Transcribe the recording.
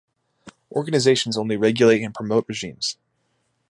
Organizations only regulate and promote regimes.